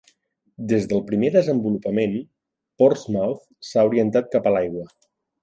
Des del primer desenvolupament, Portsmouth s'ha orientat cap a l'aigua.